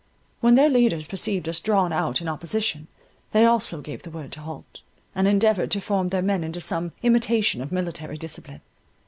When their leaders perceived us drawn out in opposition, they also gave the word to halt, and endeavoured to form their men into some imitation of military discipline.